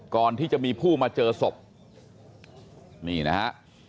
ก่อนที่จะมีผู้มาเจอศพนี่นะฮะ